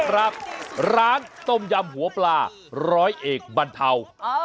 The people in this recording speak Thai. ครับร้านต้มยำหัวปลาร้อยเอกบรรเทา